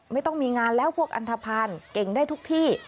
ไม่ต้องมีงานแล้วพวกอันทภัณฑ์เก่งได้ทุกที่